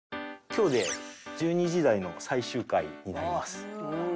今日で１２時台の最終回になります。